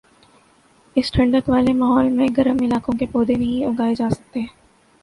اس ٹھنڈک والے ماحول میں گرم علاقوں کے پودے نہیں اگائے جاسکتے